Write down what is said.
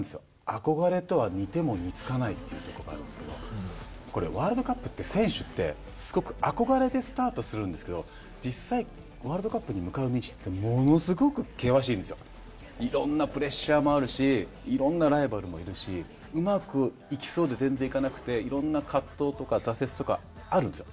「“憧れ”とは似ても似つかない」っていうところがあるんですけどワールドカップって選手ってすごく憧れてスタートするんですけどいろんなプレッシャーもあるしいろんなライバルもいるしうまくいきそうで全然いかなくていろんな葛藤とか挫折とかあるんですよ。